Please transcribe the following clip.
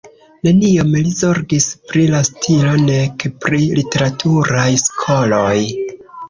Neniom li zorgis pri la stilo nek pri literaturaj skoloj.